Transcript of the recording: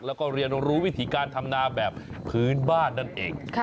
แล้วก็เรียนรู้วิธีการทำนาแบบพื้นบ้านนั่นเอง